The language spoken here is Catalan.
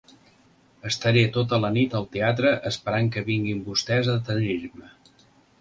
Estaré tota la nit al teatre esperant que vinguin vostès a detenir-me.